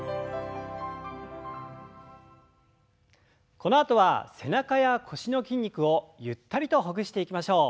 このあとは背中や腰の筋肉をゆったりとほぐしていきましょう。